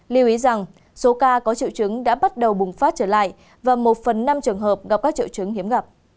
lưu ý rằng số ca có triệu chứng đã bắt đầu bùng phát trở lại và một phần năm trường hợp gặp các triệu chứng hiếm gặp